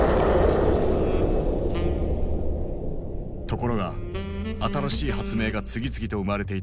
ところが新しい発明が次々と生まれていたこの時代。